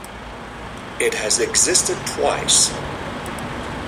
It has existed twice.